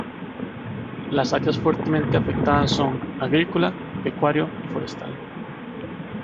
Las áreas fuertemente afectadas son: agrícola, pecuario y forestal.